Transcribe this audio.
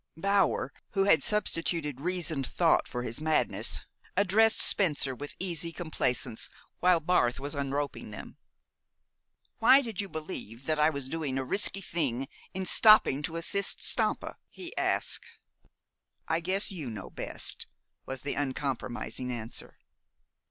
Bower, who had substituted reasoned thought for his madness, addressed Spencer with easy complacence while Barth was unroping them. "Why did you believe that I was doing a risky thing in stopping to assist Stampa?" he asked. "I guess you know best," was the uncompromising answer.